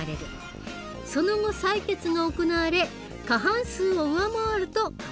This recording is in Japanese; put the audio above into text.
その後採決が行われ過半数を上回ると可決される。